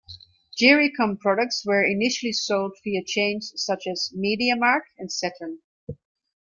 Gericom products were initially sold via chains such as Media Markt and Saturn.